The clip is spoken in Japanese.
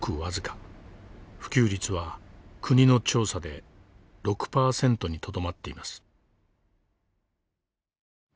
普及率は国の調査で６％にとどまっています。